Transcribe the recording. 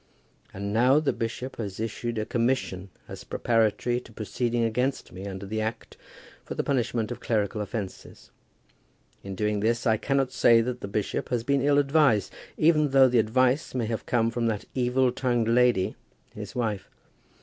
And now the bishop has issued a commission as preparatory to proceeding against me under the Act for the punishment of clerical offences. In doing this, I cannot say that the bishop has been ill advised, even though the advice may have come from that evil tongued lady, his wife.